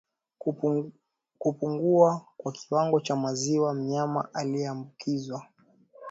Kupungua kwa kiwango cha maziwa ya mnyama aliyeambukizwa